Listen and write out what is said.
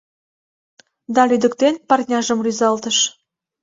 Да лӱдыктен парняжым рӱзалтыш.